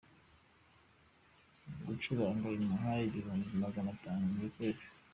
Gucuranga bimuha ibihumbi magana atatu buri kwezi.